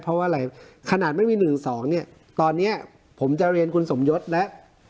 เพราะว่าอะไรขนาดไม่มี๑๒เนี่ยตอนนี้ผมจะเรียนคุณสมยศแล้ว